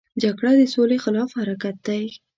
جګړه د سولې خلاف حرکت دی